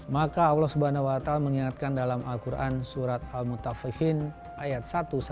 maka allah swt mengingatkan dalam al quran surat al mutaffihin ayat satu satu